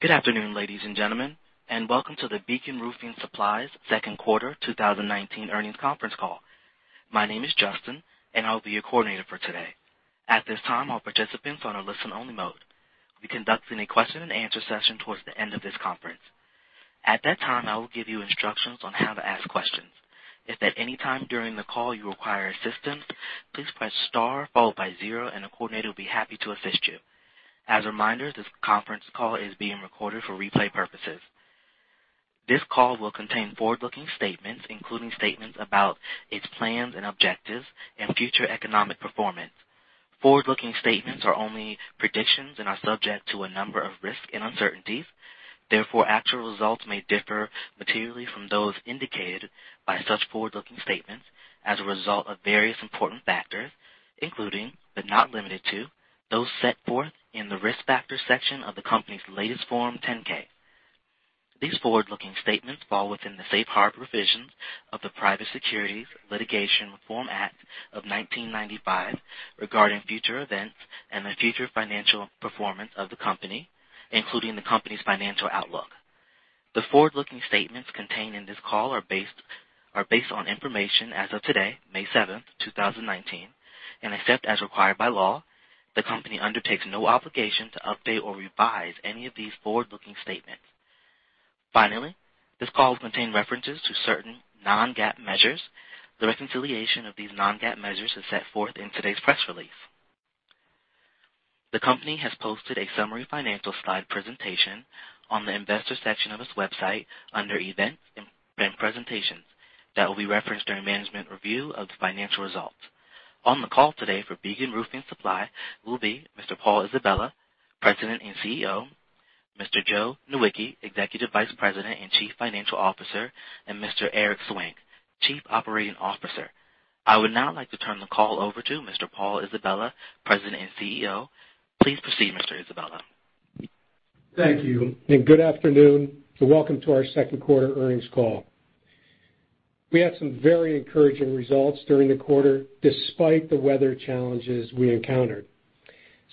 Good afternoon, ladies and gentlemen, and welcome to the Beacon Roofing Supply's second quarter 2019 earnings conference call. My name is Justin, and I'll be your coordinator for today. At this time, all participants are on a listen-only mode. We're conducting a question and answer session towards the end of this conference. At that time, I will give you instructions on how to ask questions. If at any time during the call you require assistance, please press star followed by zero, and a coordinator will be happy to assist you. As a reminder, this conference call is being recorded for replay purposes. This call will contain forward-looking statements, including statements about its plans and objectives and future economic performance. Forward-looking statements are only predictions and are subject to a number of risks and uncertainties. Therefore, actual results may differ materially from those indicated by such forward-looking statements as a result of various important factors, including, but not limited to, those set forth in the Risk Factors section of the company's latest Form 10-K. These forward-looking statements fall within the safe harbor provisions of the Private Securities Litigation Reform Act of 1995 regarding future events and the future financial performance of the company, including the company's financial outlook. The forward-looking statements contained in this call are based on information as of today, May 7, 2019, and except as required by law, the company undertakes no obligation to update or revise any of these forward-looking statements. Finally, this call will contain references to certain non-GAAP measures. The reconciliation of these non-GAAP measures is set forth in today's press release. The company has posted a summary financial slide presentation on the Investors section of its website under Events and Presentations that will be referenced during management review of the financial results. On the call today for Beacon Roofing Supply will be Mr. Paul Isabella, President and CEO; Mr. Joe Nowicki, Executive Vice President and Chief Financial Officer; and Mr. Eric Swank, Chief Operating Officer. I would now like to turn the call over to Mr. Paul Isabella, President and CEO. Please proceed, Mr. Isabella. Thank you, and good afternoon, and welcome to our second quarter earnings call. We had some very encouraging results during the quarter, despite the weather challenges we encountered.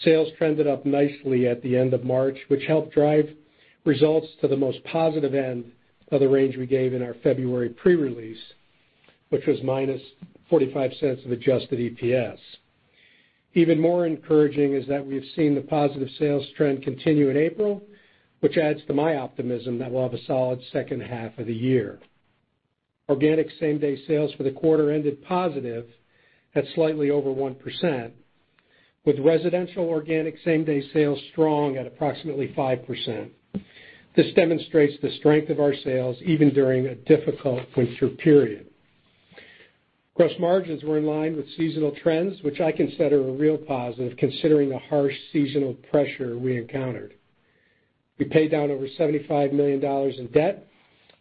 Sales trended up nicely at the end of March, which helped drive results to the most positive end of the range we gave in our February pre-release, which was -$0.45 of adjusted EPS. Even more encouraging is that we have seen the positive sales trend continue in April, which adds to my optimism that we'll have a solid second half of the year. Organic same-day sales for the quarter ended positive at slightly over 1%, with residential organic same-day sales strong at approximately 5%. This demonstrates the strength of our sales even during a difficult winter period. Gross margins were in line with seasonal trends, which I consider a real positive considering the harsh seasonal pressure we encountered. We paid down over $75 million in debt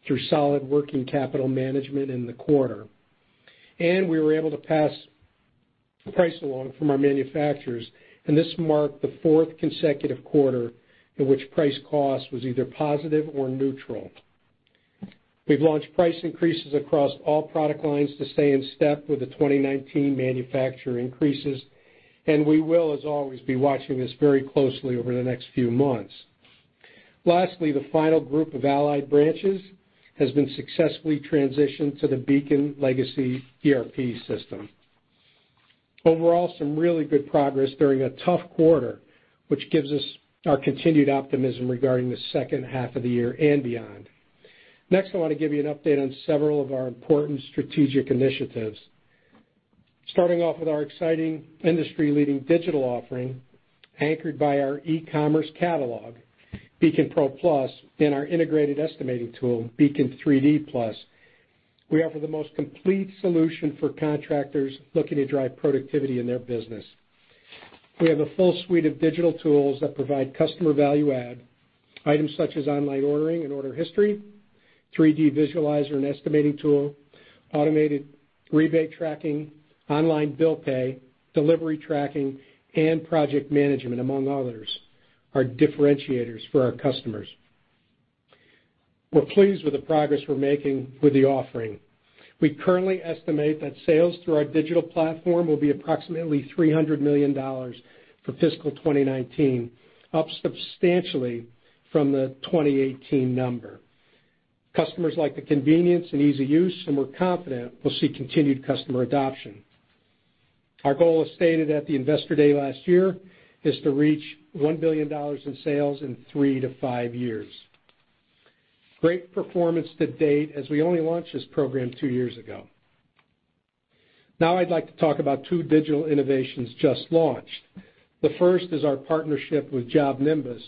through solid working capital management in the quarter. We were able to pass price along from our manufacturers. This marked the fourth consecutive quarter in which price cost was either positive or neutral. We've launched price increases across all product lines to stay in step with the 2019 manufacturer increases. We will, as always, be watching this very closely over the next few months. Lastly, the final group of Allied branches has been successfully transitioned to the Beacon Legacy ERP system. Overall, some really good progress during a tough quarter, which gives us our continued optimism regarding the second half of the year and beyond. I want to give you an update on several of our important strategic initiatives. Starting off with our exciting industry-leading digital offering, anchored by our e-commerce catalog, Beacon Pro+, and our integrated estimating tool, Beacon 3D+. We offer the most complete solution for contractors looking to drive productivity in their business. We have a full suite of digital tools that provide customer value add. Items such as online ordering and order history, 3D visualizer and estimating tool, automated rebate tracking, online bill pay, delivery tracking, and project management, among others, are differentiators for our customers. We're pleased with the progress we're making with the offering. We currently estimate that sales through our digital platform will be approximately $300 million for fiscal 2019, up substantially from the 2018 number. We're confident we'll see continued customer adoption. Our goal, as stated at the Investor Day last year, is to reach $1 billion in sales in three to five years. Great performance to date as we only launched this program two years ago. I'd like to talk about two digital innovations just launched. The first is our partnership with JobNimbus,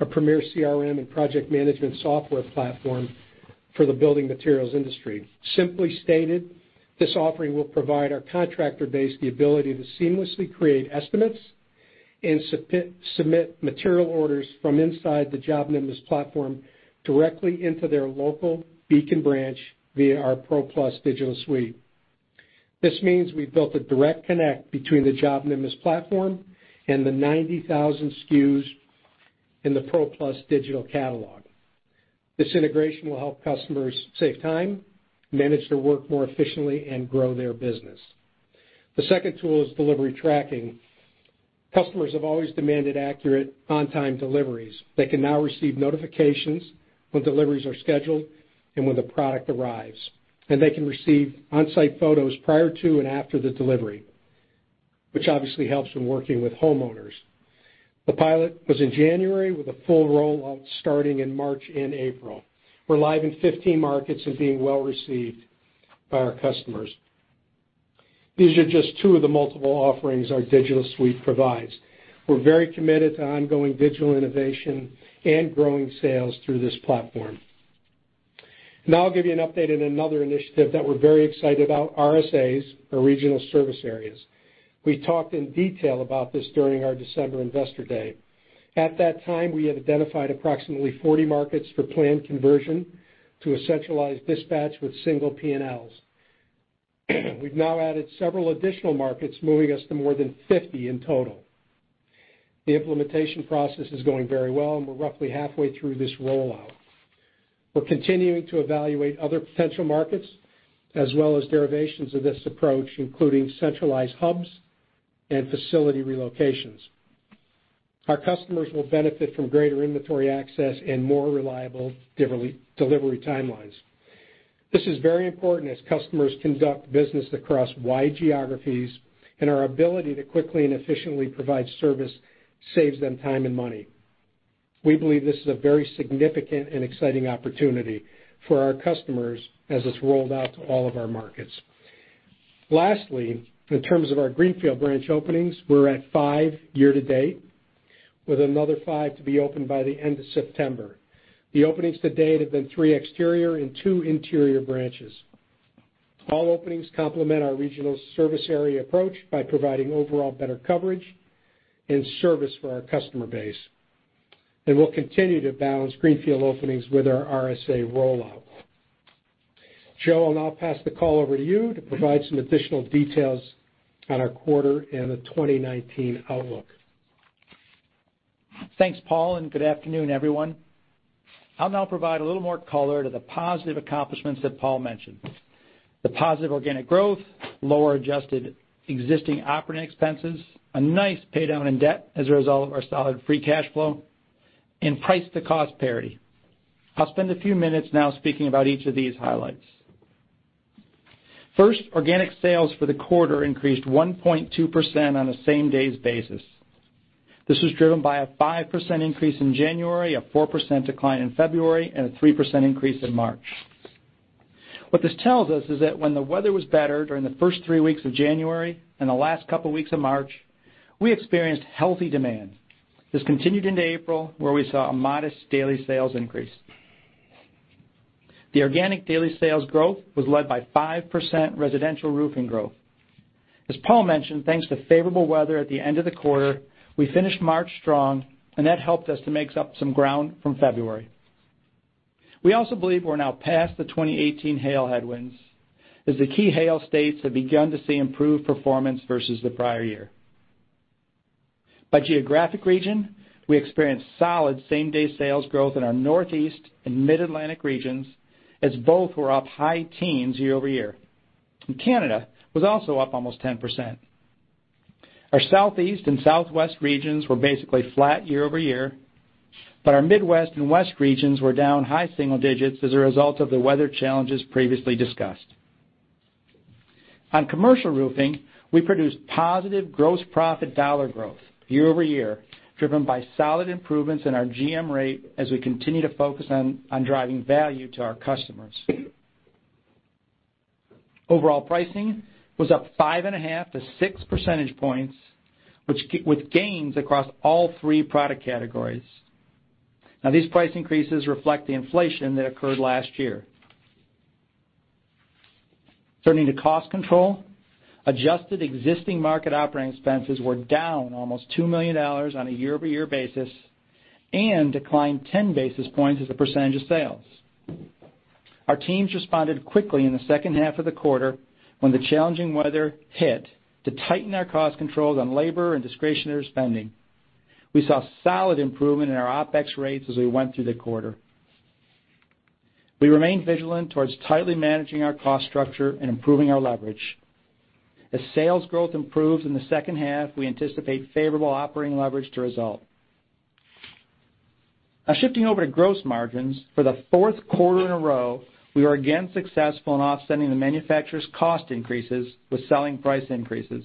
a premier CRM and project management software platform for the building materials industry. Simply stated, this offering will provide our contractor base the ability to seamlessly create estimates and submit material orders from inside the JobNimbus platform directly into their local Beacon branch via our Pro+ digital suite. This means we've built a direct connect between the JobNimbus platform and the 90,000 SKUs in the Pro+ digital catalog. This integration will help customers save time, manage their work more efficiently, and grow their business. The second tool is delivery tracking. Customers have always demanded accurate, on-time deliveries. They can now receive notifications when deliveries are scheduled and when the product arrives. They can receive on-site photos prior to and after the delivery, which obviously helps when working with homeowners. The pilot was in January with a full rollout starting in March and April. We're live in 15 markets and being well-received by our customers. These are just two of the multiple offerings our digital suite provides. We're very committed to ongoing digital innovation and growing sales through this platform. I'll give you an update on another initiative that we're very excited about, RSAs, or Regional Service Areas. We talked in detail about this during our December Investor Day. At that time, we had identified approximately 40 markets for planned conversion to a centralized dispatch with single P&Ls. We've now added several additional markets, moving us to more than 50 in total. The implementation process is going very well, we're roughly halfway through this rollout. We're continuing to evaluate other potential markets as well as derivations of this approach, including centralized hubs and facility relocations. Our customers will benefit from greater inventory access and more reliable delivery timelines. This is very important as customers conduct business across wide geographies, and our ability to quickly and efficiently provide service saves them time and money. We believe this is a very significant and exciting opportunity for our customers as it's rolled out to all of our markets. Lastly, in terms of our greenfield branch openings, we're at five year to date, with another five to be opened by the end of September. The openings to date have been three exterior and two interior branches. All openings complement our regional service area approach by providing overall better coverage and service for our customer base. We'll continue to balance greenfield openings with our RSA rollout. Joe, I'll now pass the call over to you to provide some additional details on our quarter and the 2019 outlook. Thanks, Paul, and good afternoon, everyone. I'll now provide a little more color to the positive accomplishments that Paul mentioned. The positive organic growth, lower adjusted existing operating expenses, a nice pay down in debt as a result of our solid free cash flow, and price to cost parity. I'll spend a few minutes now speaking about each of these highlights. First, organic sales for the quarter increased 1.2% on a same-days basis. This was driven by a 5% increase in January, a 4% decline in February, and a 3% increase in March. What this tells us is that when the weather was better during the first three weeks of January and the last couple of weeks of March, we experienced healthy demand. This continued into April, where we saw a modest daily sales increase. The organic daily sales growth was led by 5% residential roofing growth. As Paul mentioned, thanks to favorable weather at the end of the quarter, we finished March strong, and that helped us to make up some ground from February. We also believe we're now past the 2018 hail headwinds, as the key hail states have begun to see improved performance versus the prior year. By geographic region, we experienced solid same-day sales growth in our Northeast and Mid-Atlantic regions, as both were up high teens year-over-year. Canada was also up almost 10%. Our Southeast and Southwest regions were basically flat year-over-year, our Midwest and West regions were down high single digits as a result of the weather challenges previously discussed. On commercial roofing, we produced positive gross profit dollar growth year-over-year, driven by solid improvements in our GM rate as we continue to focus on driving value to our customers. Overall pricing was up 5.5 to 6 percentage points, with gains across all three product categories. These price increases reflect the inflation that occurred last year. Turning to cost control, adjusted existing market operating expenses were down almost $2 million on a year-over-year basis and declined 10 basis points as a percentage of sales. Our teams responded quickly in the second half of the quarter when the challenging weather hit to tighten our cost controls on labor and discretionary spending. We saw solid improvement in our OpEx rates as we went through the quarter. We remain vigilant towards tightly managing our cost structure and improving our leverage. As sales growth improves in the second half, we anticipate favorable operating leverage to result. Shifting over to gross margins. For the fourth quarter in a row, we are again successful in offsetting the manufacturer's cost increases with selling price increases.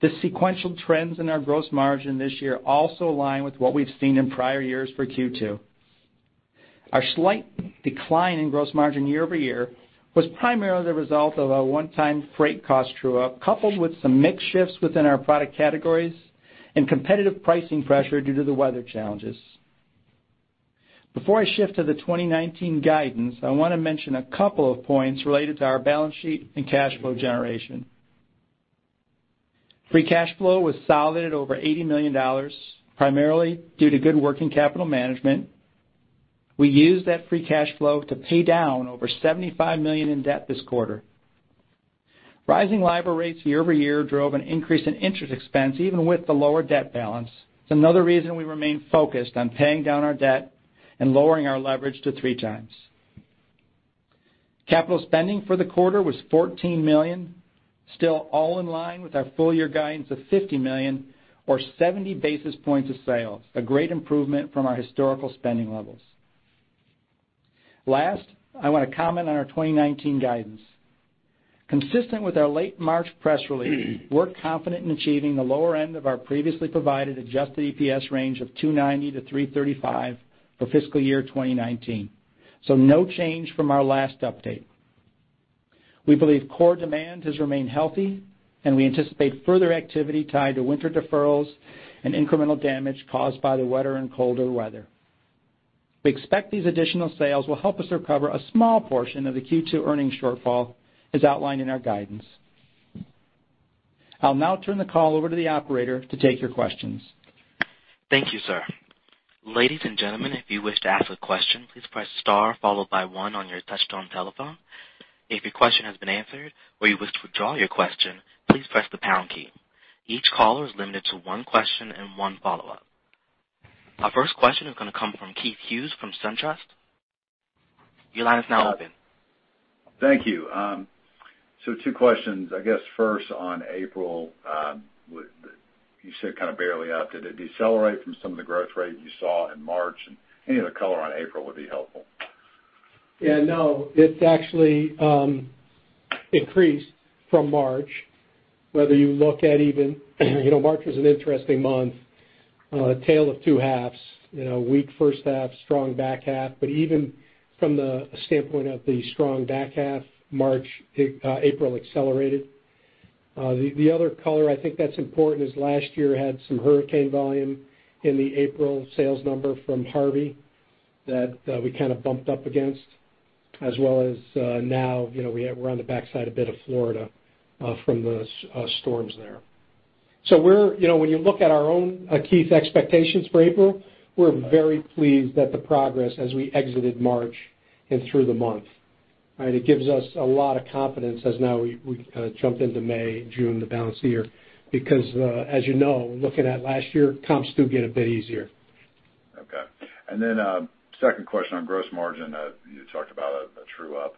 The sequential trends in our gross margin this year also align with what we've seen in prior years for Q2. Our slight decline in gross margin year-over-year was primarily the result of a one-time freight cost true-up, coupled with some mix shifts within our product categories and competitive pricing pressure due to the weather challenges. Before I shift to the 2019 guidance, I want to mention a couple of points related to our balance sheet and cash flow generation. Free cash flow was solid at over $80 million, primarily due to good working capital management. We used that free cash flow to pay down over $75 million in debt this quarter. Rising LIBOR rates year-over-year drove an increase in interest expense, even with the lower debt balance. It's another reason we remain focused on paying down our debt and lowering our leverage to 3x. Capital spending for the quarter was $14 million. Still all in line with our full year guidance of $50 million or 70 basis points of sales. A great improvement from our historical spending levels. Last, I want to comment on our 2019 guidance. Consistent with our late March press release, we're confident in achieving the lower end of our previously provided adjusted EPS range of $2.90 to $3.35 for fiscal year 2019. No change from our last update. We believe core demand has remained healthy, and we anticipate further activity tied to winter deferrals and incremental damage caused by the wetter and colder weather. We expect these additional sales will help us recover a small portion of the Q2 earnings shortfall, as outlined in our guidance. I'll now turn the call over to the operator to take your questions. Thank you, sir. Ladies and gentlemen, if you wish to ask a question, please press star followed by one on your touchtone telephone. If your question has been answered or you wish to withdraw your question, please press the pound key. Each caller is limited to one question and one follow-up. Our first question is going to come from Keith Hughes from SunTrust. Your line is now open. Thank you. Two questions. First on April. You said kind of barely up. Did it decelerate from some of the growth rate you saw in March? Any of the color on April would be helpful. It's actually increased from March. March was an interesting month. A tale of two halves. Weak first half, strong back half. Even from the standpoint of the strong back half, April accelerated. The other color I think that's important is last year had some hurricane volume in the April sales number from Hurricane Harvey that we kind of bumped up against as well as now, we're on the backside a bit of Florida, from the storms there. When you look at our own, Keith, expectations for April, we're very pleased at the progress as we exited March and through the month. It gives us a lot of confidence as now we jump into May and June, the balance of the year. As you know, looking at last year, comps do get a bit easier. Okay. Second question on gross margin. You talked about a true-up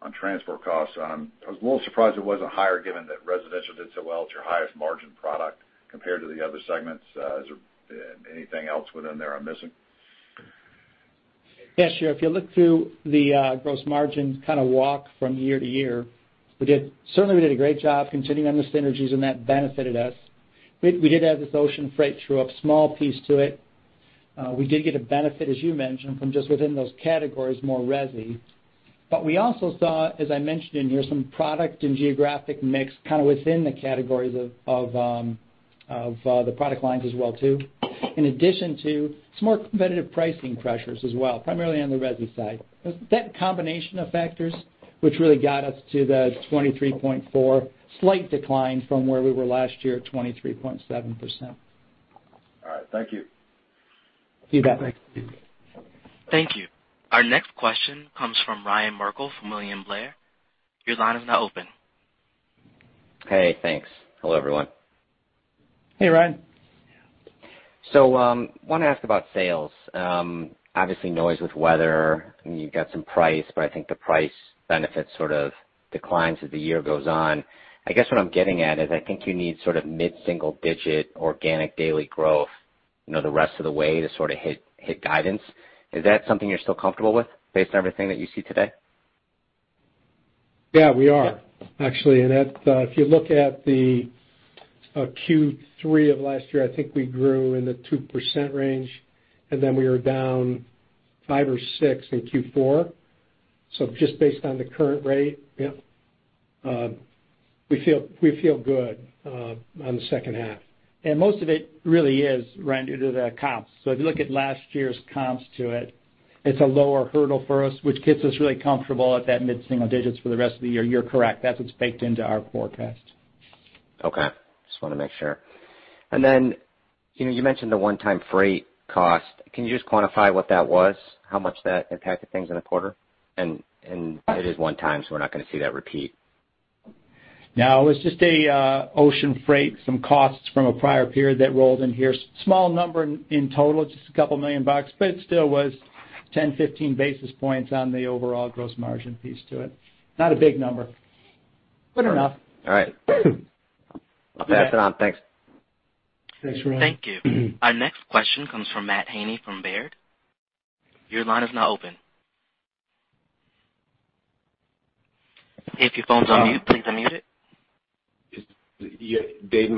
on transport costs. I was a little surprised it wasn't higher given that residential did so well. It's your highest margin product compared to the other segments. Is there anything else within there I'm missing? Sure. If you look through the gross margin kind of walk from year to year, certainly we did a great job continuing on the synergies, and that benefited us. We did have this ocean freight true-up, small piece to it. We did get a benefit, as you mentioned, from just within those categories, more resi. We also saw, as I mentioned in here, some product and geographic mix kind of within the categories of the product lines as well too, in addition to some more competitive pricing pressures as well, primarily on the resi side. It was that combination of factors which really got us to the 23.4% slight decline from where we were last year at 23.7%. All right. Thank you. You bet. Thank you. Our next question comes from Ryan Merkel from William Blair. Your line is now open. Hey, thanks. Hello, everyone. Hey, Ryan. I want to ask about sales. Obviously noise with weather, and you've got some price, but I think the price benefit sort of declines as the year goes on. I guess what I'm getting at is I think you need sort of mid-single-digit organic daily growth the rest of the way to sort of hit guidance. Is that something you're still comfortable with based on everything that you see today? Yeah, we are. Actually, if you look at the Q3 of last year, I think we grew in the 2% range, and then we were down five or six in Q4. Just based on the current rate. Yep We feel good on the second half. Most of it really is, Ryan, due to the comps. If you look at last year's comps to it's a lower hurdle for us, which gets us really comfortable at that mid-single digits for the rest of the year. You're correct. That's what's baked into our forecast. Okay. Just want to make sure. Then you mentioned the one-time freight cost. Can you just quantify what that was? How much that impacted things in the quarter? It is one-time, so we're not going to see that repeat. No, it was just an ocean freight, some costs from a prior period that rolled in here. Small number in total, just a couple million dollars, but it still was 10, 15 basis points on the overall gross margin piece to it. Not a big number, but enough. All right. I'll pass it on. Thanks. Thanks, Ryan. Thank you. Our next question comes from Matthew Bouley from Baird. Your line is now open. If your phone's on mute, please unmute it. Yeah. Dave.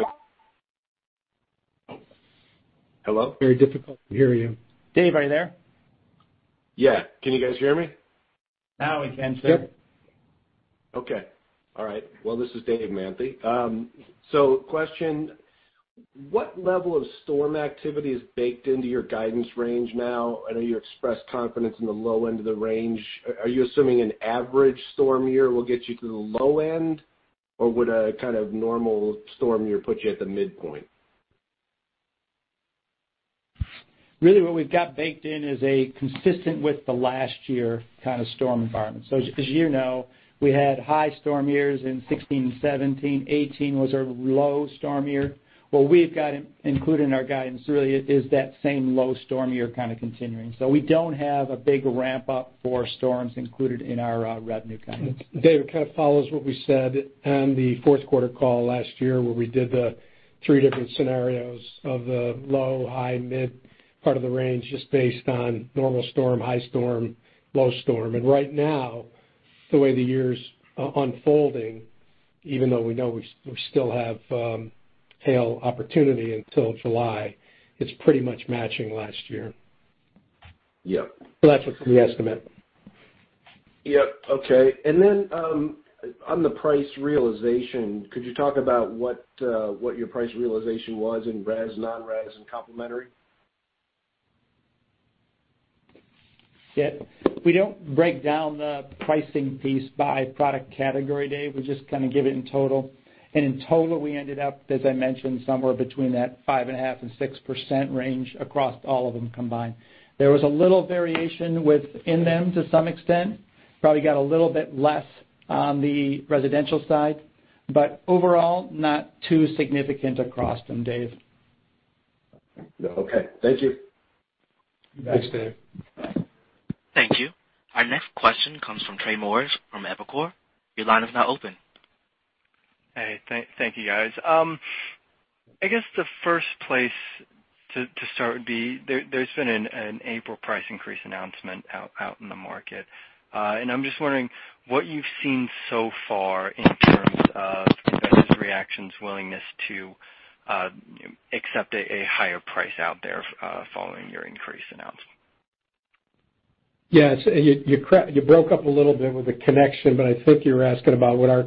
Hello? Very difficult to hear you. Dave, are you there? Yeah. Can you guys hear me? Now we can, sir. Yep. Okay. All right. Well, this is David Manthey. Question: What level of storm activity is baked into your guidance range now? I know you expressed confidence in the low end of the range. Are you assuming an average storm year will get you to the low end, or would a kind of normal storm year put you at the midpoint? Really what we've got baked in is a consistent with the last year kind of storm environment. As you know, we had high storm years in 2016 and 2017. 2018 was our low storm year. What we've got included in our guidance really is that same low storm year kind of continuing. We don't have a big ramp-up for storms included in our revenue guidance. David, kind of follows what we said on the fourth quarter call last year where we did the three different scenarios of the low, high, mid part of the range, just based on normal storm, high storm, low storm. Right now, the way the year's unfolding, even though we know we still have hail opportunity until July, it's pretty much matching last year. Yep. That's it for the estimate. Yep. Okay. On the price realization, could you talk about what your price realization was in res, non-res, and complementary? Yep. We don't break down the pricing piece by product category, Dave. We just kind of give it in total. In total, we ended up, as I mentioned, somewhere between that 5.5%-6% range across all of them combined. There was a little variation within them to some extent. Probably got a little bit less on the residential side, but overall, not too significant across them, Dave. Okay. Thank you. Thanks, Dave. Thank you. Our next question comes from Trey Morrish from Evercore. Your line is now open. Hey. Thank you, guys. I guess the first place to start would be, there's been an April price increase announcement out in the market. I'm just wondering what you've seen so far in terms of customers' reactions, willingness to accept a higher price out there, following your increase announcement. Yes. You broke up a little bit with the connection, I think you're asking about what our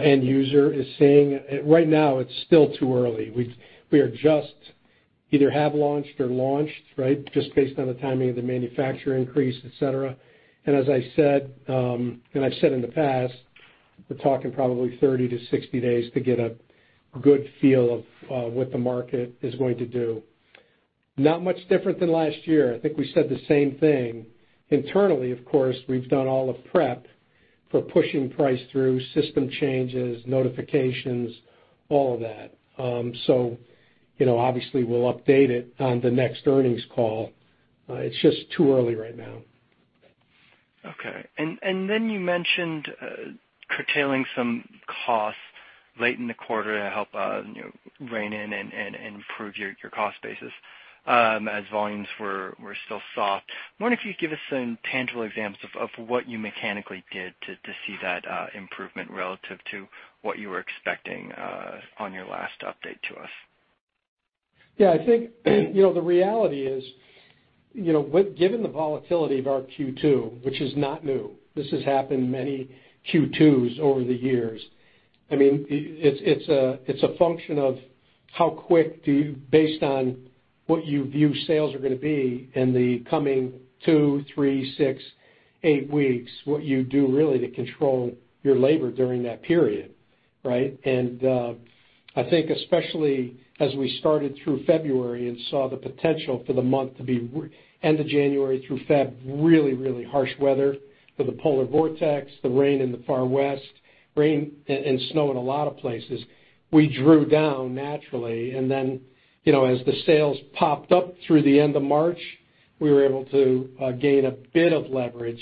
end user is seeing. Right now, it's still too early. We are just either have launched or launched, right? Just based on the timing of the manufacturer increase, et cetera. As I said, and I've said in the past, we're talking probably 30-60 days to get a good feel of what the market is going to do. Not much different than last year. I think we said the same thing. Internally, of course, we've done all the prep for pushing price through, system changes, notifications, all of that. Obviously, we'll update it on the next earnings call. It's just too early right now. Okay. You mentioned curtailing some costs late in the quarter to help rein in and improve your cost basis, as volumes were still soft. Wonder if you could give us some tangible examples of what you mechanically did to see that improvement relative to what you were expecting on your last update to us. Yeah, I think the reality is, given the volatility of our Q2, which is not new, this has happened many Q2s over the years. It's a function of how quick do you, based on what you view sales are going to be in the coming two, three, six, eight weeks, what you do really to control your labor during that period, right? I think especially as we started through February and saw the potential for the month to be, end of January through Feb, really harsh weather for the polar vortex, the rain in the Far West, rain and snow in a lot of places. We drew down naturally. Then, as the sales popped up through the end of March, we were able to gain a bit of leverage,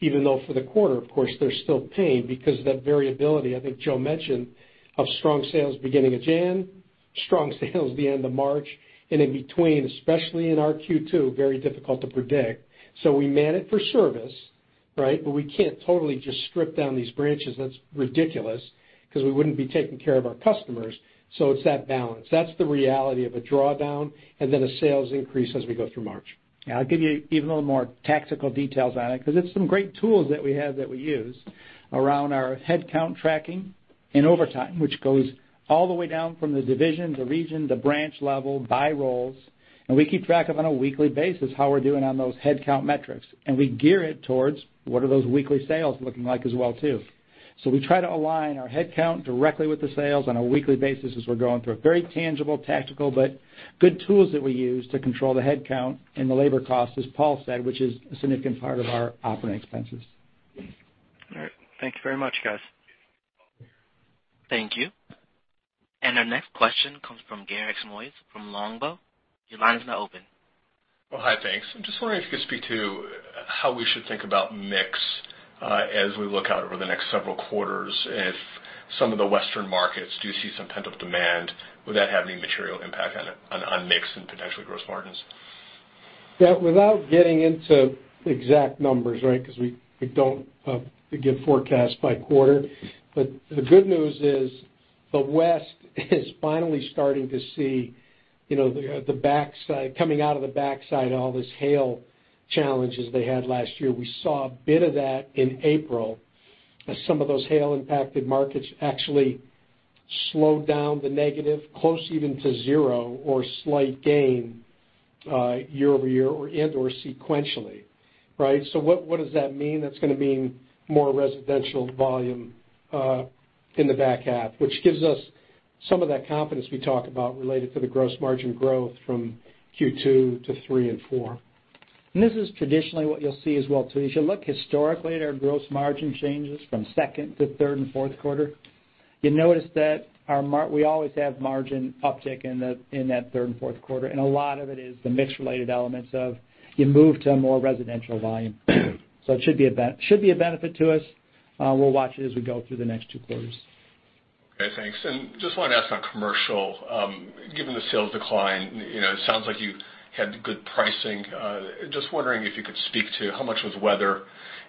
even though for the quarter, of course, there's still pain because of that variability. I think Joe mentioned how strong sales beginning of January, strong sales the end of March, and in between, especially in our Q2, very difficult to predict. We man it for service, right? We can't totally just strip down these branches. That's ridiculous, because we wouldn't be taking care of our customers. It's that balance. That's the reality of a drawdown and then a sales increase as we go through March. Yeah. I'll give you even a little more tactical details on it, because it's some great tools that we have that we use around our headcount tracking and overtime, which goes all the way down from the division, the region, the branch level, by roles. We keep track of on a weekly basis how we're doing on those headcount metrics. We gear it towards what are those weekly sales looking like as well, too. We try to align our headcount directly with the sales on a weekly basis as we're going through. Very tangible, tactical, but good tools that we use to control the headcount and the labor cost, as Paul said, which is a significant part of our operating expenses. All right. Thank you very much, guys. Thank you. Our next question comes from Garik Shmois from Longbow. Your line is now open. Well, hi, thanks. I'm just wondering if you could speak to how we should think about mix, as we look out over the next several quarters. If some of the Western markets do see some pent-up demand, would that have any material impact on mix and potentially gross margins? Yeah. Without getting into exact numbers, right? Because we don't give forecasts by quarter. The good news is the West is finally starting to see coming out of the backside, all this hail challenges they had last year. We saw a bit of that in April as some of those hail-impacted markets actually slowed down the negative, close even to zero or slight gain year-over-year and/or sequentially. Right. What does that mean? That's going to mean more residential volume in the back half, which gives us some of that confidence we talk about related to the gross margin growth from Q2 to three and four. This is traditionally what you'll see as well too. If you look historically at our gross margin changes from second to third and fourth quarter, you notice that we always have margin uptick in that third and fourth quarter. A lot of it is the mix-related elements of you move to a more residential volume. It should be a benefit to us. We'll watch it as we go through the next two quarters. Okay, thanks. Just wanted to ask on commercial, given the sales decline, it sounds like you had good pricing. Just wondering if you could speak to how much was weather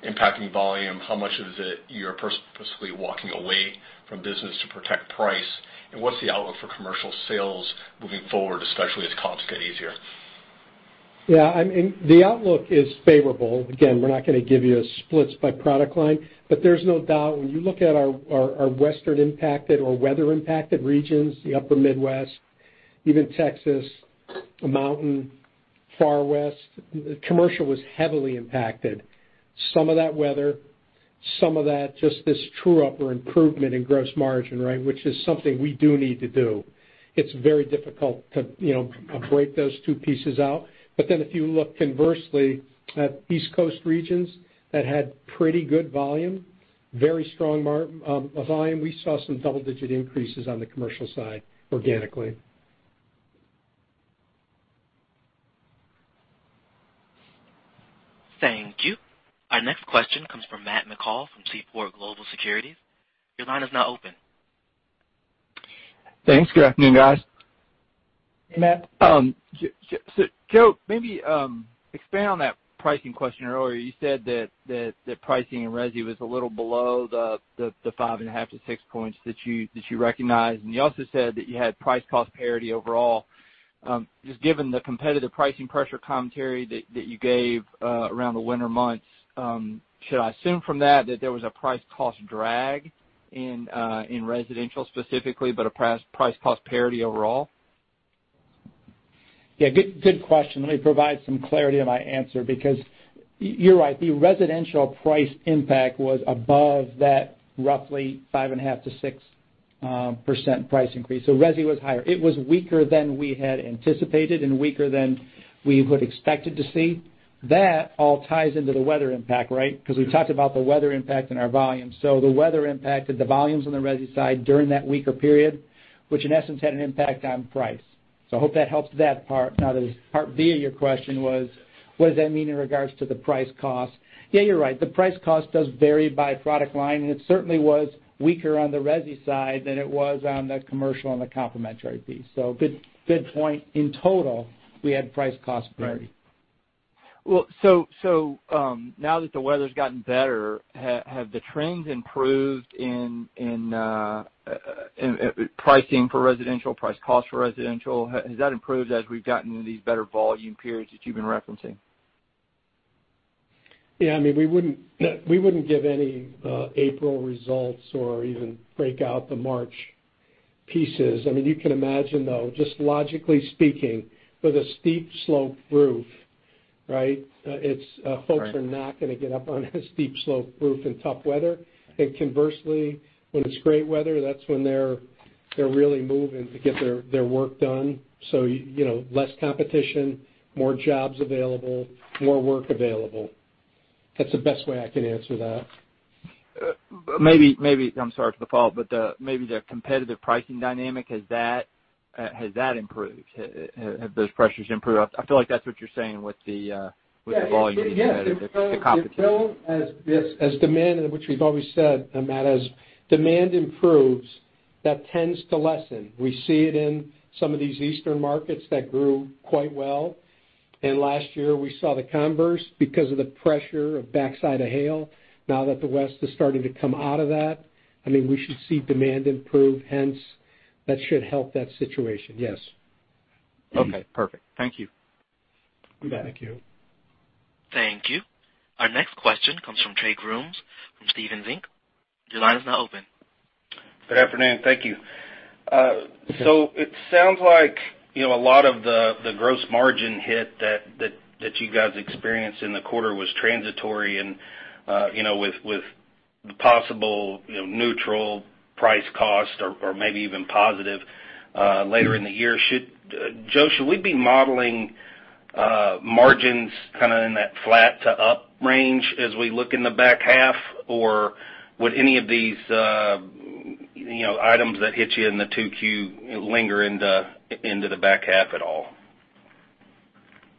impacting volume, how much of it you're purposely walking away from business to protect price, and what's the outlook for commercial sales moving forward, especially as comps get easier? The outlook is favorable. We're not going to give you splits by product line, there's no doubt when you look at our western impacted or weather impacted regions, the upper Midwest, even Texas, the mountain, far west, commercial was heavily impacted. Some of that weather, some of that just this true-up or improvement in gross margin, which is something we do need to do. It's very difficult to break those two pieces out. If you look conversely at East Coast regions that had pretty good volume, very strong volume, we saw some double-digit increases on the commercial side organically. Thank you. Our next question comes from Matt McCall from Seaport Global Securities. Your line is now open. Thanks. Good afternoon, guys. Hey, Matt. Joe, maybe expand on that pricing question earlier. You said that pricing in resi was a little below the five and a half to six points that you recognized, and you also said that you had price cost parity overall. Just given the competitive pricing pressure commentary that you gave around the winter months, should I assume from that that there was a price cost drag in residential specifically, but a price cost parity overall? Yeah, good question. Let me provide some clarity on my answer because you're right, the residential price impact was above that roughly 5.5%-6% price increase. Resi was higher. It was weaker than we had anticipated and weaker than we would expected to see. That all ties into the weather impact, right? Because we talked about the weather impact in our volume. The weather impacted the volumes on the resi side during that weaker period, which in essence had an impact on price. I hope that helps that part. The part B of your question was, what does that mean in regards to the price cost? Yeah, you're right. The price cost does vary by product line, and it certainly was weaker on the resi side than it was on the commercial and the complementary piece. Good point. In total, we had price cost parity. Right. Well, now that the weather's gotten better, have the trends improved in pricing for residential, price cost for residential? Has that improved as we've gotten into these better volume periods that you've been referencing? Yeah, we wouldn't give any April results or even break out the March pieces. You can imagine, though, just logically speaking, with a steep slope roof, right? Right. Conversely, when it's great weather, that's when they're really moving to get their work done. Less competition, more jobs available, more work available. That's the best way I can answer that. Maybe, I'm sorry for the follow-up, maybe the competitive pricing dynamic, has that improved? Have those pressures improved? I feel like that's what you're saying with the volume being better, the competition. It will as demand, which we've always said, Matt, as demand improves, that tends to lessen. We see it in some of these eastern markets that grew quite well, last year we saw the converse because of the pressure of backside of hail. Now that the west is starting to come out of that, we should see demand improve, hence that should help that situation, yes. Okay, perfect. Thank you. You bet. Thank you. Thank you. Our next question comes from Trey Grooms from Stephens Inc. Your line is now open. Good afternoon. Thank you. It sounds like a lot of the gross margin hit that you guys experienced in the quarter was transitory and with the possible neutral price cost or maybe even positive later in the year. Joe, should we be modeling margins kind of in that flat to up range as we look in the back half? Or would any of these items that hit you in the 2Q linger into the back half at all?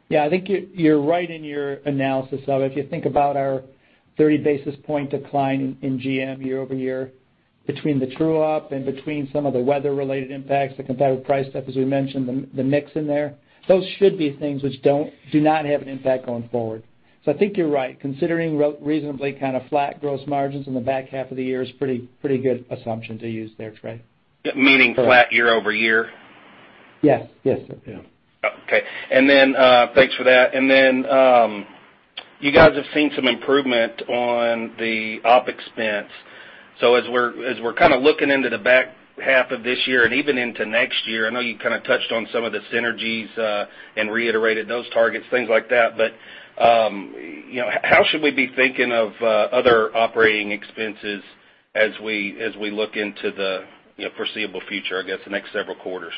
Yeah, I think you're right in your analysis of it. If you think about our 30 basis point decline in GM year-over-year between the true-up and between some of the weather-related impacts, the competitive price stuff, as we mentioned, the mix in there, those should be things which do not have an impact going forward. I think you're right. Considering reasonably kind of flat gross margins in the back half of the year is pretty good assumption to use there, Trey. Meaning flat year-over-year? Yes. Okay. Thanks for that. You guys have seen some improvement on the OpEx. As we're kind of looking into the back half of this year and even into next year, I know you kind of touched on some of the synergies, and reiterated those targets, things like that. How should we be thinking of other operating expenses as we look into the foreseeable future, I guess, the next several quarters?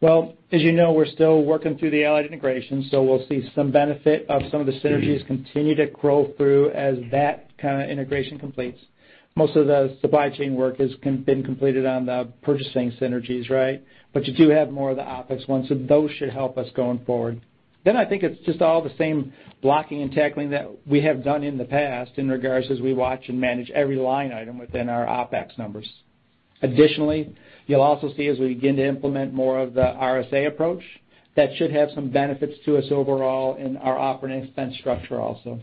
Well, as you know, we're still working through the Allied integration, we'll see some benefit of some of the synergies continue to grow through as that kind of integration completes. Most of the supply chain work has been completed on the purchasing synergies, right? You do have more of the OpEx ones, those should help us going forward. I think it's just all the same blocking and tackling that we have done in the past in regards as we watch and manage every line item within our OpEx numbers. Additionally, you'll also see as we begin to implement more of the RSA approach. That should have some benefits to us overall in our operating expense structure also.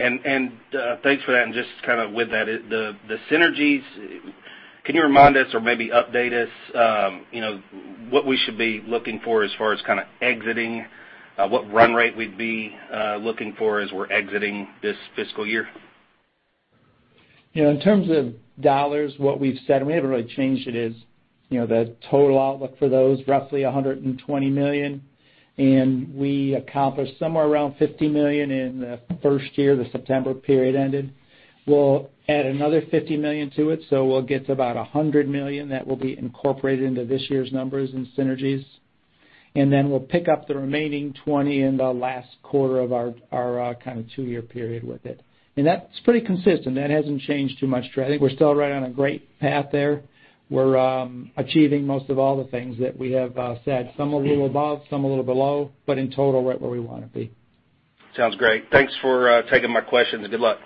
Thanks for that. Just kind of with that, the synergies, can you remind us or maybe update us what we should be looking for as far as kind of exiting, what run rate we'd be looking for as we're exiting this fiscal year? In terms of dollars, what we've said, and we haven't really changed it, is the total outlook for those, roughly $120 million. We accomplished somewhere around $50 million in the first year, the September period ended. We'll add another $50 million to it, we'll get to about $100 million that will be incorporated into this year's numbers and synergies. We'll pick up the remaining $20 million in the last quarter of our kind of two-year period with it. That's pretty consistent. That hasn't changed too much. I think we're still right on a great path there. We're achieving most of all the things that we have said. Some a little above, some a little below, but in total, right where we want to be. Sounds great. Thanks for taking my questions and good luck.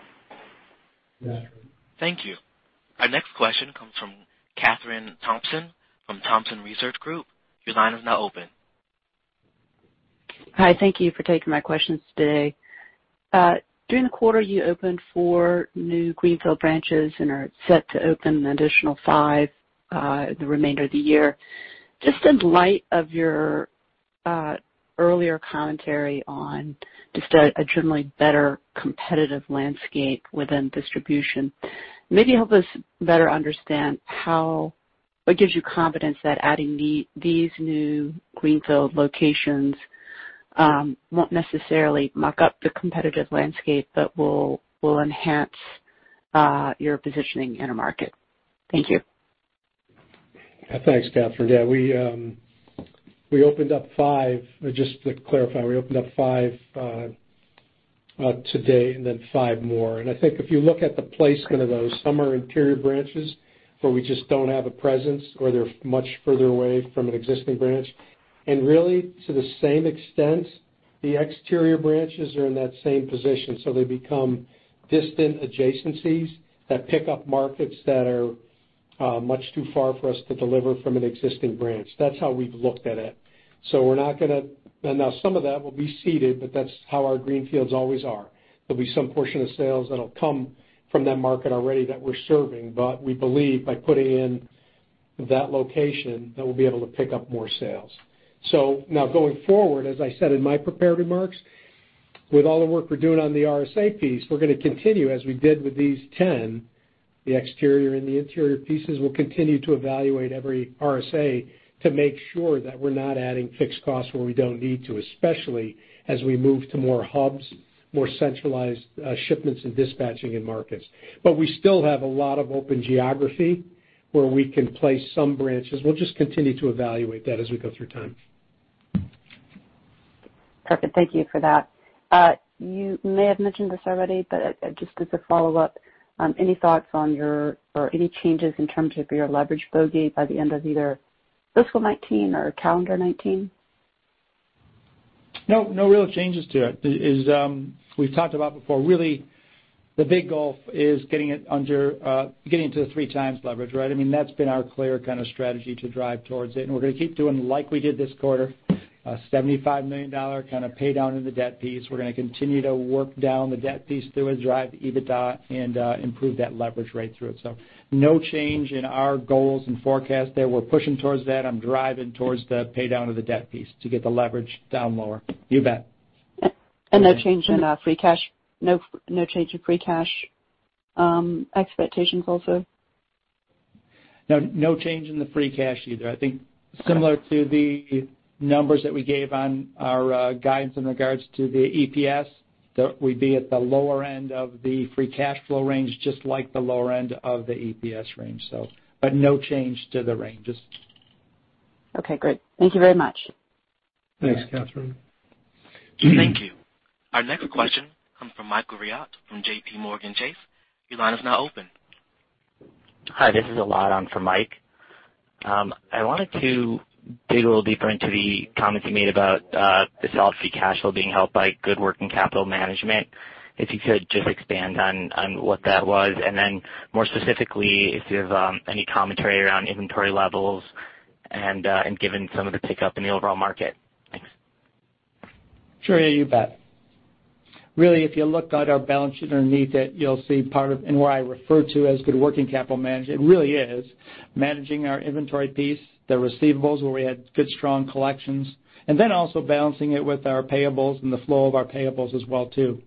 You bet. Thank you. Our next question comes from Kathryn Thompson from Thompson Research Group. Your line is now open. Hi, thank you for taking my questions today. During the quarter, you opened four new greenfield branches and are set to open an additional five the remainder of the year. In light of your earlier commentary on a generally better competitive landscape within distribution, maybe help us better understand what gives you confidence that adding these new greenfield locations won't necessarily muck up the competitive landscape but will enhance your positioning in a market. Thank you. Thanks, Kathryn. Yeah, we opened up five. Just to clarify, we opened up five today and then five more. I think if you look at the placement of those, some are interior branches where we just don't have a presence or they're much further away from an existing branch. Really, to the same extent, the exterior branches are in that same position. They become distant adjacencies that pick up markets that are much too far for us to deliver from an existing branch. That's how we've looked at it. Now some of that will be seeded, but that's how our greenfields always are. There'll be some portion of sales that'll come from that market already that we're serving. We believe by putting in that location, that we'll be able to pick up more sales. Now going forward, as I said in my prepared remarks, with all the work we're doing on the RSA piece, we're going to continue as we did with these 10, the exterior and the interior pieces. We'll continue to evaluate every RSA to make sure that we're not adding fixed costs where we don't need to, especially as we move to more hubs, more centralized shipments, and dispatching in markets. We still have a lot of open geography where we can place some branches. We'll just continue to evaluate that as we go through time. Perfect. Thank you for that. You may have mentioned this already, just as a follow-up, any thoughts on your, or any changes in terms of your leverage bogey by the end of either fiscal 2019 or calendar 2019? No real changes to it. As we've talked about before, really the big goal is getting it to the three times leverage, right? That's been our clear kind of strategy to drive towards it, and we're going to keep doing like we did this quarter, a $75 million kind of pay down of the debt piece. We're going to continue to work down the debt piece through it, drive EBITDA, and improve that leverage right through it. No change in our goals and forecast there. We're pushing towards that. I'm driving towards the pay down of the debt piece to get the leverage down lower. You bet. No change in free cash expectations also? No change in the free cash either. I think similar to the numbers that we gave on our guidance in regards to the EPS, that we'd be at the lower end of the free cash flow range, just like the lower end of the EPS range. No change to the ranges. Okay, great. Thank you very much. Thanks, Kathryn. Thank you. Our next question comes from Michael Rehaut from JPMorgan Chase. Your line is now open. Hi, this is Alon for Mike. I wanted to dig a little deeper into the comments you made about the solid free cash flow being helped by good working capital management. If you could just expand on what that was. More specifically, if you have any commentary around inventory levels and given some of the pickup in the overall market. Thanks. Sure. Yeah, you bet. Really, if you look at our balance sheet underneath it, you'll see part of, and where I refer to as good working capital management, it really is managing our inventory piece, the receivables, where we had good, strong collections, also balancing it with our payables and the flow of our payables as well too.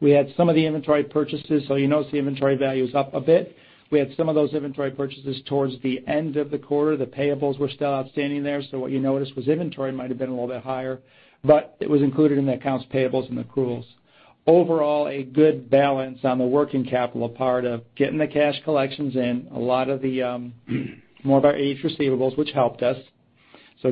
We had some of the inventory purchases, you notice the inventory value is up a bit. We had some of those inventory purchases towards the end of the quarter. The payables were still outstanding there, what you noticed was inventory might have been a little bit higher, but it was included in the accounts payables and accruals. Overall, a good balance on the working capital part of getting the cash collections in. More of our age receivables, which helped us.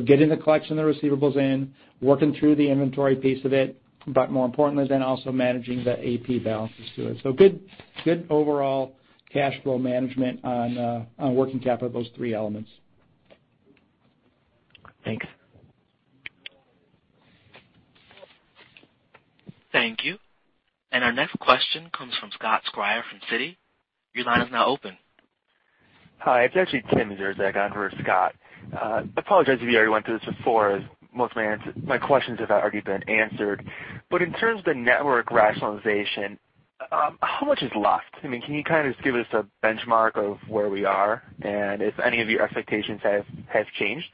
Getting the collection, the receivables in, working through the inventory piece of it, more importantly then also managing the AP balances to it. Good overall cash flow management on working capital of those three elements. Thanks. Thank you. Our next question comes from Scott Schrier from Citi. Your line is now open. Hi, it's actually Tim Zirzek on for Scott. I apologize if you already went through this before, as most of my questions have already been answered. In terms of the network rationalization, how much is left? Can you kind of just give us a benchmark of where we are and if any of your expectations have changed?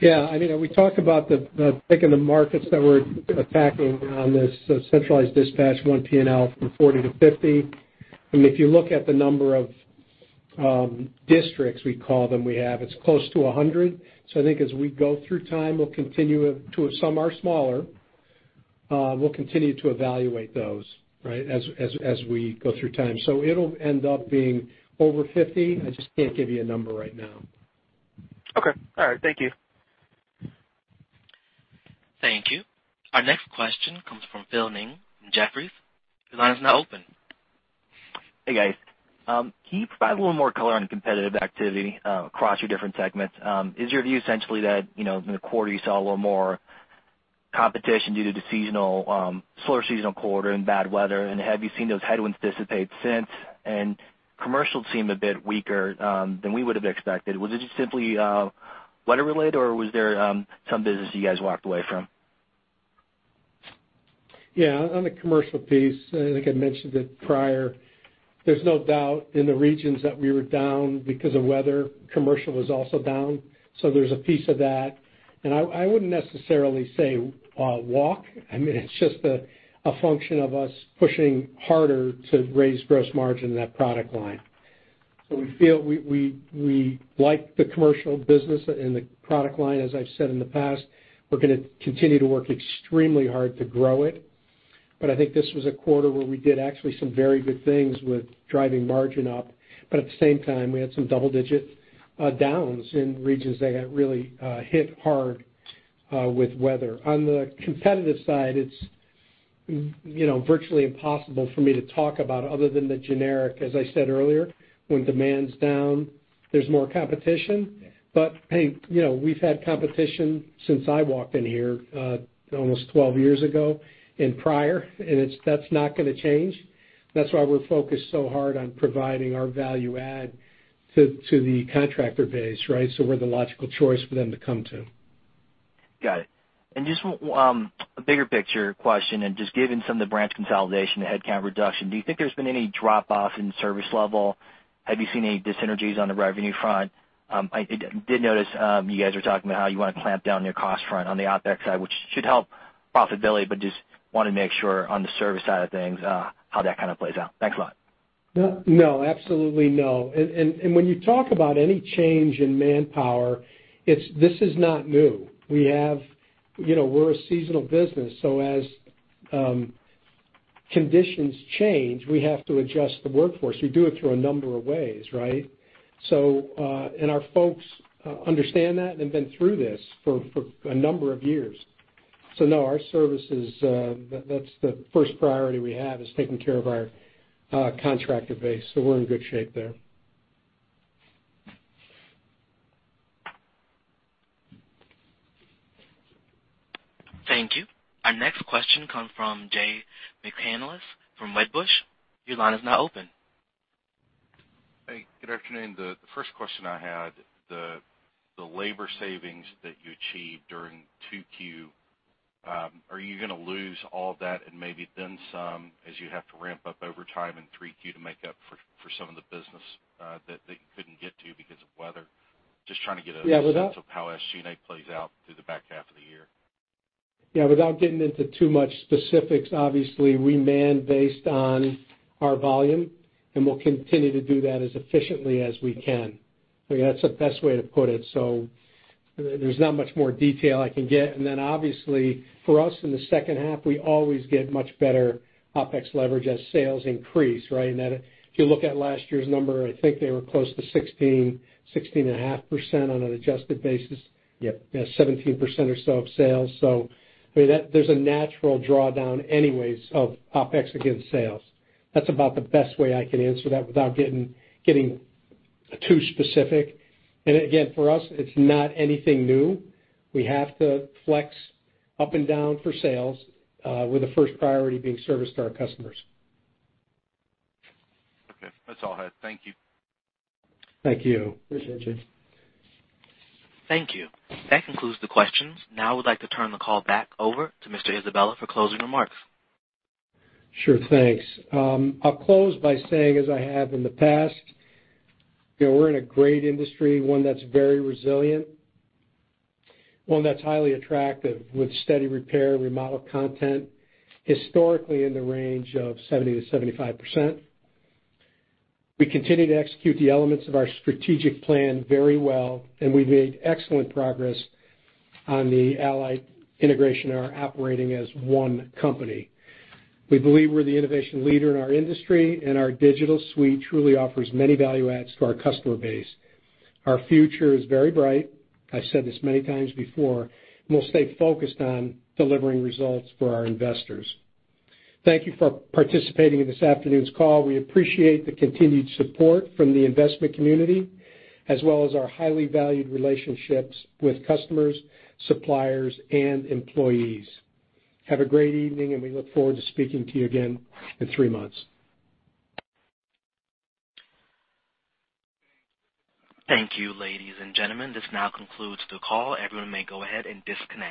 Yeah. We talked about the picking the markets that we're attacking on this centralized dispatch one P&L from 40 to 50. If you look at the number of districts, we call them, we have, it's close to 100. I think as we go through time, some are smaller, we'll continue to evaluate those, right, as we go through time. It'll end up being over 50. I just can't give you a number right now. Okay. All right. Thank you. Thank you. Our next question comes from Phil Ng from Jefferies. Your line is now open. Hey, guys. Can you provide a little more color on the competitive activity across your different segments? Is your view essentially that, in the quarter, you saw a little more competition due to the slower seasonal quarter and bad weather, and have you seen those headwinds dissipate since? Commercial seemed a bit weaker than we would've expected. Was it just simply weather-related, or was there some business you guys walked away from? Yeah. On the commercial piece, I think I mentioned it prior, there's no doubt in the regions that we were down because of weather, commercial was also down. There's a piece of that. I wouldn't necessarily say walk. It's just a function of us pushing harder to raise gross margin in that product line. We like the commercial business and the product line, as I've said in the past. We're going to continue to work extremely hard to grow it. I think this was a quarter where we did actually some very good things with driving margin up. At the same time, we had some double-digit downs in regions that got really hit hard with weather. On the competitive side, it's virtually impossible for me to talk about other than the generic. As I said earlier, when demand's down, there's more competition. Hey, we've had competition since I walked in here almost 12 years ago and prior, and that's not going to change. That's why we're focused so hard on providing our value add to the contractor base, right? We're the logical choice for them to come to. Got it. Just a bigger picture question and just given some of the branch consolidation, the headcount reduction, do you think there's been any drop-off in service level? Have you seen any dysenergies on the revenue front? I did notice you guys were talking about how you want to clamp down your cost front on the OpEx side, which should help profitability, just want to make sure on the service side of things, how that kind of plays out. Thanks a lot. No, absolutely no. When you talk about any change in manpower, this is not new. We're a seasonal business. As conditions change, we have to adjust the workforce. We do it through a number of ways, right? Our folks understand that and have been through this for a number of years. No, our services, that's the first priority we have, is taking care of our contractor base. We're in good shape there. Thank you. Our next question comes from Jay McCanless from Wedbush. Your line is now open. Hey, good afternoon. The first question I had, the labor savings that you achieved during 2Q, are you going to lose all that and maybe then some as you have to ramp up over time in 3Q to make up for some of the business that you couldn't get to because of weather? Yeah. -sense of how SG&A plays out through the back half of the year. Yeah. Without getting into too much specifics, obviously, we manage based on our volume, and we'll continue to do that as efficiently as we can. That's the best way to put it. There's not much more detail I can get. Obviously, for us in the second half, we always get much better OpEx leverage as sales increase, right? If you look at last year's number, I think they were close to 16.5% on an adjusted basis. Yep. Yeah, 17% or so of sales. There's a natural drawdown anyways of OpEx against sales. That's about the best way I can answer that without getting too specific. Again, for us, it's not anything new. We have to flex up and down for sales, with the first priority being service to our customers. Okay. That's all I had. Thank you. Thank you. Appreciate you. Thank you. That concludes the questions. Now I would like to turn the call back over to Mr. Isabella for closing remarks. Sure. Thanks. I'll close by saying, as I have in the past, we're in a great industry, one that's very resilient, one that's highly attractive with steady repair and remodel content, historically in the range of 70%-75%. We continue to execute the elements of our strategic plan very well, and we've made excellent progress on the Allied integration and our operating as one company. We believe we're the innovation leader in our industry, and our digital suite truly offers many value adds to our customer base. Our future is very bright, I've said this many times before, and we'll stay focused on delivering results for our investors. Thank you for participating in this afternoon's call. We appreciate the continued support from the investment community, as well as our highly valued relationships with customers, suppliers, and employees. Have a great evening, and we look forward to speaking to you again in three months. Thank you, ladies and gentlemen. This now concludes the call. Everyone may go ahead and disconnect.